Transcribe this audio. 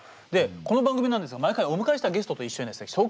でこの番組なんですが毎回お迎えしたゲストと一緒にですね